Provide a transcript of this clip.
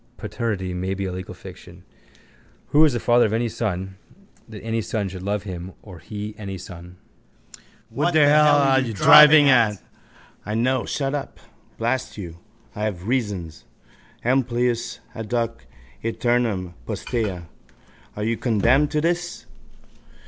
Paternity may be a legal fiction. Who is the father of any son that any son should love him or he any son? What the hell are you driving at? I know. Shut up. Blast you. I have reasons. Amplius. Adhuc. Iterum. Postea. Are you condemned to do this?